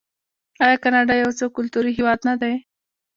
آیا کاناډا یو څو کلتوری هیواد نه دی؟